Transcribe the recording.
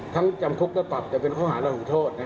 ทั้งจำทุกข์และปรับจะเป็นข้อหาละหุโทษ